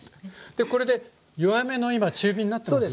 でこれで弱めの今中火になってますよね？